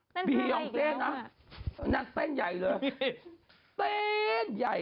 เต้นพี่หย่องเต้นนะนั่นเต้นใหญ่เลยเลยนะครับเต้นใหญ่